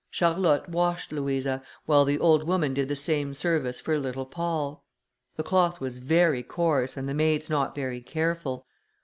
Charlotte washed Louisa, while the old woman did the same service for little Paul. The cloth was very coarse, and the maids not very careful.